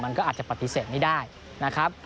มันก็อาจจะปฏิเสธไม่ได้นะครับ